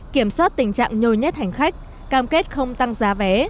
kiểm soát tình trạng nhôi nhét hành khách cam kết không tăng giá vé